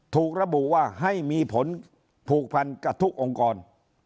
ถูกระบุว่าให้มีผลผูกพันกับทุกองค์กร